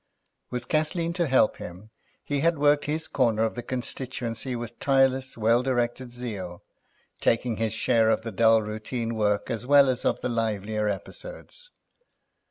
With Kathleen to help him, he had worked his corner of the constituency with tireless, well directed zeal, taking his share of the dull routine work as well as of the livelier episodes.